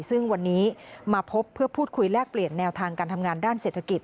ซึ่งวันนี้มาพบเพื่อพูดคุยแลกเปลี่ยนแนวทางการทำงานด้านเศรษฐกิจ